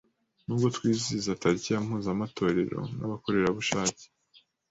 Nubwo twizihiza tariki ya mpuzamatorero w’abakorerabushake